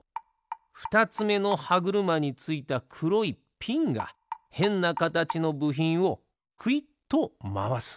ふたつめのはぐるまについたくろいピンがへんなかたちのぶひんをくいっとまわす。